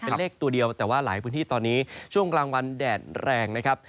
เป็นเลขตัวเดียวแต่ว่าหลายพื้นที่ตอนนี้ช่วงกลางวันแดดแรงนะครับ